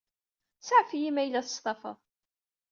Saɛef-iyi ma yella testafeḍ.